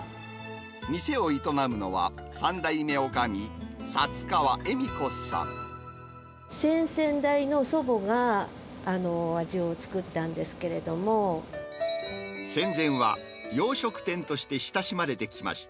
店を営むのは、３代目おかみ、先々代の祖母が味を作ったん戦前は洋食店として親しまれてきました。